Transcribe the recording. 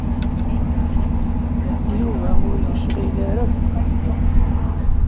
Yuba ur yecɣil ara akk.